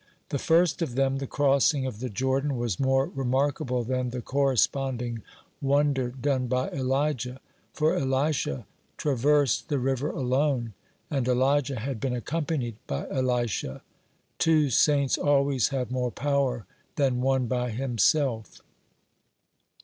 The first of them, the crossing of the Jordan, was more remarkable than the corresponding wonder done by Elijah, for Elisha traversed the river alone, and Elijah had been accompanied by Elisha. Two saints always have more power than one by himself.